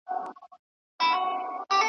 بلبل سمدستي را ووت په هوا سو .